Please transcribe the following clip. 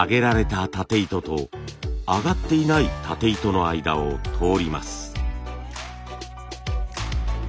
たて糸と上がっていないたて糸の間を通ります。